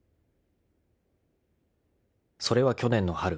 ［それは去年の春。